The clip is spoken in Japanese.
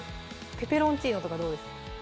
ペペロンチーノとかどうですか？